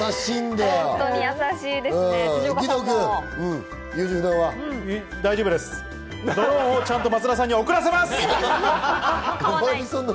ドローンをちゃんと松田さんに送らせます。